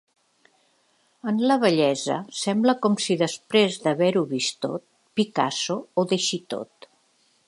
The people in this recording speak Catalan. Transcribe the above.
En la vellesa sembla com si després d'haver-ho vist tot, Picasso ho deixi tot.